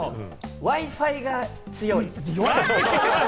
Ｗｉ−Ｆｉが強い！